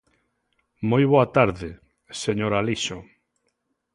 Moi boa tarde, señor Alixo.